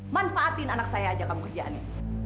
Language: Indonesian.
manfaatin anak saya aja kamu kerjaan ini